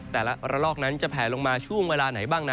แต่ละระลอกนั้นจะแผลลงมาช่วงเวลาไหนบ้างนะ